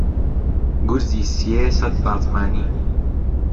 گورزی سیێ سەت باتمانی